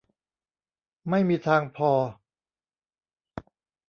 ไม่มีทางพอ